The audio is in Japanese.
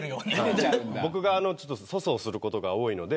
僕が粗相をすることが多いんで。